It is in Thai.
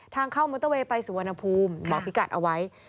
ทางเข้ามอเตอร์เวย์ไปสุวรรณภูมิบอกพี่กัดเอาไว้